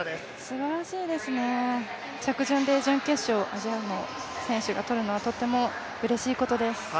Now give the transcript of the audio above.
すばらしいですね、着順で準決勝、アジアの選手がとるのはとってもうれしいことです。